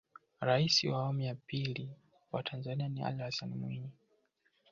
rais wa awamu ya pili wa tanzania ni alli hassan mwinyi